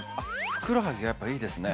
ふくらはぎがやっぱいいですね。